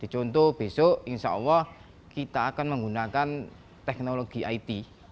contoh besok insya allah kita akan menggunakan teknologi it